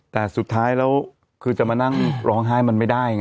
แต่สุดท้ายแล้วคือจะมานั่งร้องไห้มันไม่ได้ไง